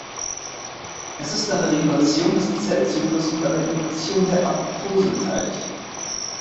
Es ist an der Regulation des Zellzyklus und an der Induktion der Apoptose beteiligt.